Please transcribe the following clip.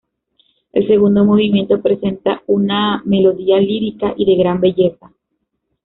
El segundo movimiento presenta una melodía lírica y de gran belleza.